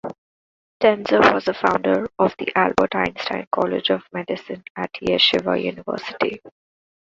Tenzer was a founder of the Albert Einstein College of Medicine at Yeshiva University.